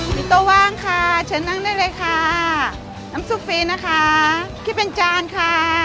มีตัวว่างค่ะเชิญนั่งได้เลยค่ะน้ำซุปฟรีนะคะคิดเป็นจานค่ะ